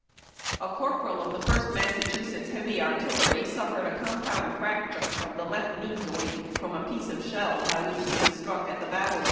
A corporal of the First Massachusetts Heavy Artillery suffered a compound fracture of the left knee joint from a piece of shell by winch he was struck at the battle of A STHKTCHEK.